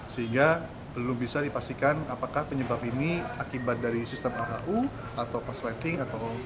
sehingga belum bisa dipastikan apakah penyebab ini akibat dari sistem aau atau pasleting